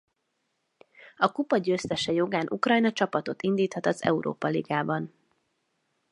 A kupa győztese jogán Ukrajna csapatot indíthat az Európa ligában.